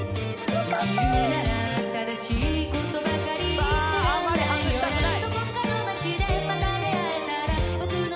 さぁあまり外したくない！